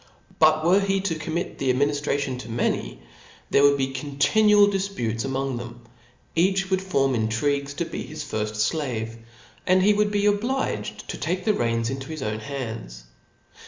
But were }ie to commit the adminiftration to many, there would be continual difputes among them ; each would form intrigues to be his firft flave \ and he would be obliged to take the reins into his own bands.